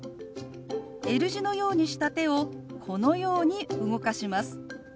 Ｌ字のようにした手をこのように動かします。